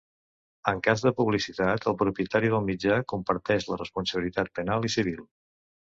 En cas de publicitat, el propietari del mitjà comparteix la responsabilitat penal i civil.